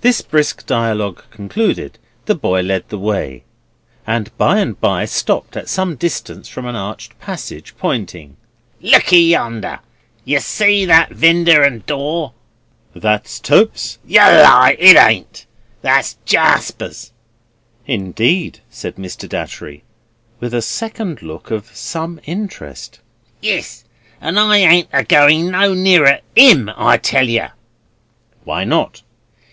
This brisk dialogue concluded, the boy led the way, and by and by stopped at some distance from an arched passage, pointing. "Lookie yonder. You see that there winder and door?" "That's Tope's?" "Yer lie; it ain't. That's Jarsper's." "Indeed?" said Mr. Datchery, with a second look of some interest. "Yes, and I ain't a goin' no nearer IM, I tell yer." "Why not?"